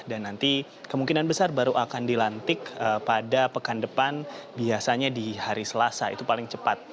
dan nanti kemungkinan besar baru akan dilantik pada pekan depan biasanya di hari selasa itu paling cepat